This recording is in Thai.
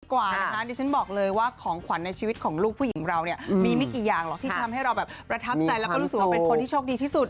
กว่านะคะดิฉันบอกเลยว่าของขวัญในชีวิตของลูกผู้หญิงเราเนี่ยมีไม่กี่อย่างหรอกที่จะทำให้เราแบบประทับใจแล้วก็รู้สึกว่าเป็นคนที่โชคดีที่สุด